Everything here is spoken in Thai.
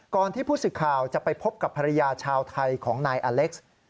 ที่ผู้สื่อข่าวจะไปพบกับภรรยาชาวไทยของนายอเล็กซ์